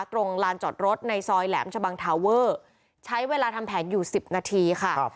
ตรงลานจอดรถในซอยแหลมชะบังทาเวอร์ใช้เวลาทำแผนอยู่๑๐นาทีค่ะ